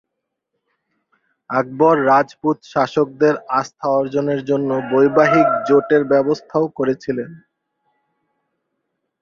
আকবর রাজপুত শাসকদের আস্থা অর্জনের জন্য বৈবাহিক জোটের ব্যবস্থাও করেছিলেন।